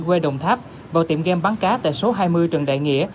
quê đồng tháp vào tiệm game bắn cá tại số hai mươi trần đại nghĩa